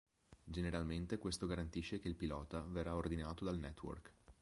Generalmente questo garantisce che il pilota verrà ordinato dal network.